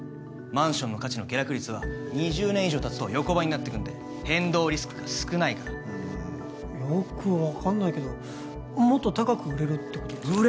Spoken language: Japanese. マンションの価値の下落率は２０年以上たつと横ばいになっていくんで変動リスクが少ないからうんよく分かんないけどもっと高く売れるってことですか？